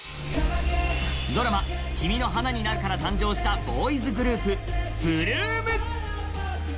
ドラマ「君の花になる」から誕生したボーイズグループ・８ＬＯＯＭ。